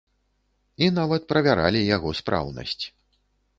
І нават правяралі яго спраўнасць.